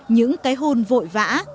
những cái hôn vội vã